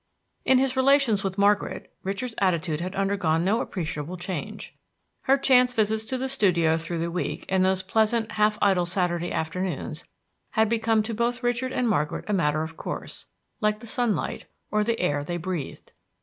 In his relations with Margaret, Richard's attitude had undergone no appreciable change. Her chance visits to the studio through the week and those pleasant, half idle Saturday afternoons had become to both Richard and Margaret a matter of course, like the sunlight, or the air they breathed.